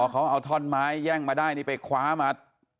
เขาเอาท่อนไม้แย่งมาได้นี่ไปคว้ามา